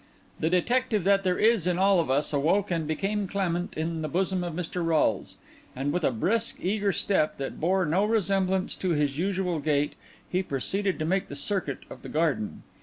The detective that there is in all of us awoke and became clamant in the bosom of Mr. Rolles; and with a brisk, eager step, that bore no resemblance to his usual gait, he proceeded to make the circuit of the garden.